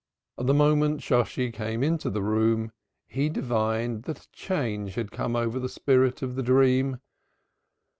The moment Shosshi came into the room he divined that a change had come over the spirit of the dream.